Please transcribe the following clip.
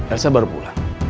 elsa baru pulang